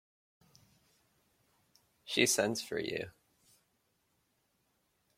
She sends for you.